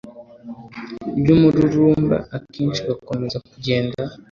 ry’umururumba akenshi bakomeza kugenda